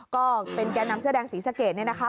ก็เป็นแก่นำเสื้อแดงศรีสะเกดเนี่ยนะคะ